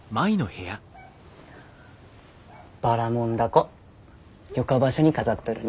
ばらもん凧よか場所に飾っとるね。